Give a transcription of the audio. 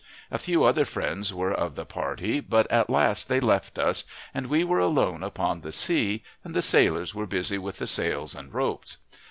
A few other friends were of the party, but at last they left us, and we were alone upon the sea, and the sailors were busy with the sails and ropes.